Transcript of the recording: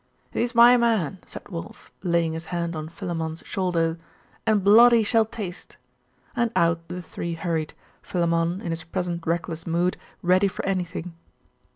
'He is my man,' said Wulf, laying his hand on Philammon's shoulder, 'and blood he shall taste.' And out the three hurried, Philammon, in his present reckless mood, ready for anything.